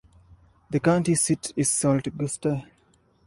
The county seat is Sault Ste.